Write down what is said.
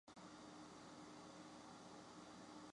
它们主要在浓密的灌木丛植被生活。